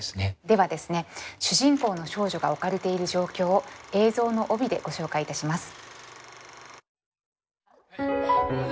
ではですね主人公の少女が置かれている状況を映像の帯でご紹介いたします。